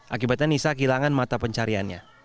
akibatnya nisa kehilangan mata pencariannya